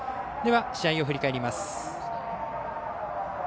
試合を振り返ります。